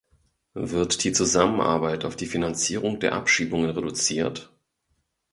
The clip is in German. Wird die Zusammenarbeit auf die Finanzierung der Abschiebungen reduziert?